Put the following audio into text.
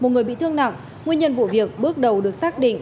một người bị thương nặng nguyên nhân vụ việc bước đầu được xác định